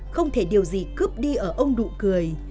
không thể điều gì cướp đi ở ông đụ cười